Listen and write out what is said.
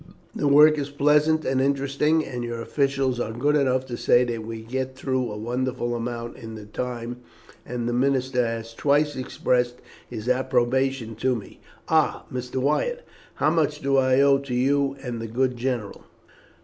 The work is pleasant and interesting, and your officials are good enough to say that we get through a wonderful amount in the time, and the minister has twice expressed his approbation to me. Ah, Mr. Wyatt, how much do I owe to you and the good general?"